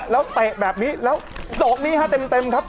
แล้วเตะแบบนี้แล้วดอกนี้ฮะเต็มครับ